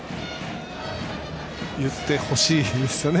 言ってほしいですね